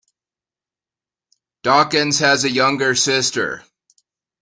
Dawkins has a younger sister.